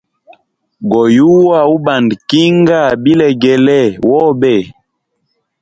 Goyuwa ubanda kinga bilegele wabo.